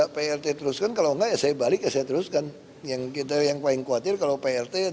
kita terhubung langsung dari kementerian dalam negeri